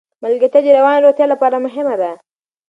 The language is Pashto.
ملګرتیا د رواني روغتیا لپاره مهمه ده.